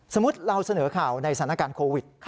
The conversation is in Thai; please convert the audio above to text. สมมุติเราเสนอข่าวในสถานการณ์โควิด